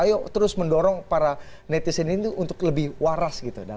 ayo terus mendorong para netizen ini untuk lebih waras gitu